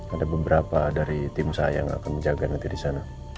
ada beberapa dari tim saya yang akan menjaga nanti di sana